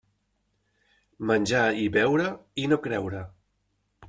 Menjar i beure, i no creure.